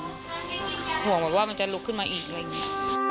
ยังคงมีความหวาดกลัวหลังเพลิงพิโรธกระดาษ